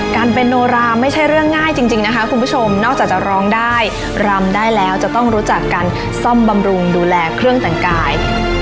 การเป็นโนราไม่ใช่เรื่องง่ายจริงนะคะคุณผู้ชมนอกจากจะร้องได้รำได้แล้วจะต้องรู้จักการซ่อมบำรุงดูแลเครื่องแต่งกาย